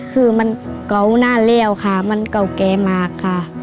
คือมันเก่านานแล้วค่ะมันเก่าแก่มากค่ะ